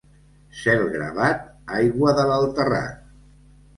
Cel gravat, aigua dalt el terrat.